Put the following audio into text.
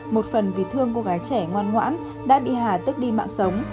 một phần vì thương cô gái trẻ ngoan ngoãn đã bị hà tức đi mạng sống